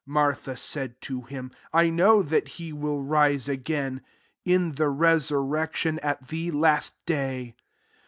24 Martha said to him, «< I kngw that he wUl rise again in the resurrection, at the last day."